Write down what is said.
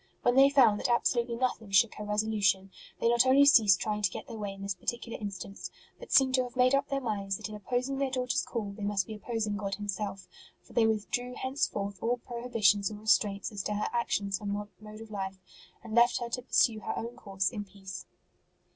When they found that absolutely nothing shook her resolution, they not only ceased trying to get their way in this particular instance, but seem to have made up their minds that in opposing their daughter s call they must be opposing God Himself; for they withdrew hence forth all prohibitions or restraints as to her actions and mode of life, and left her to pursue her own course in peace.